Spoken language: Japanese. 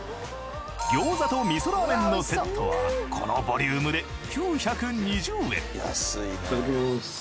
餃子と味噌ラーメンのセットはこのボリュームで９２０円！